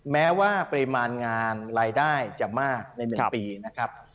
แม้ว่าปริมาณงานรายได้จะมากใน๑ปีนะครับ